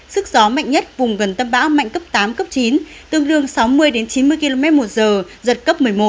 sức gió mạnh nhất vùng gần tâm bão mạnh cấp tám cấp chín tương đương sáu mươi chín mươi km một giờ giật cấp một mươi một